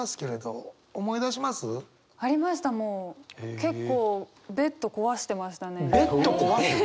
結構ベッド壊してたの？